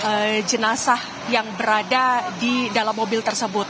kami juga tidak tahu apakah itu adalah korban yang berada di dalam mobil tersebut